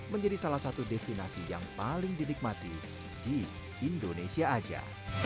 menjadi salah satu destinasi yang paling dinikmati di indonesia aja